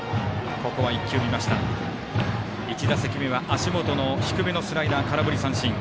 １打席目は足元の低めのスライダー空振り三振。